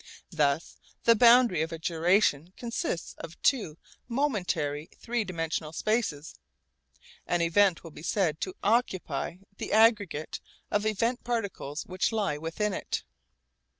Thus the boundary of a duration consists of two momentary three dimensional spaces. An event will be said to 'occupy' the aggregate of event particles which lie within it.